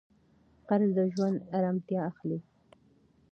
قرض د ژوند ارامتیا اخلي.